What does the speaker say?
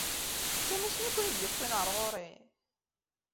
D tamussni i ken-id-yewwin ar ɣur-i?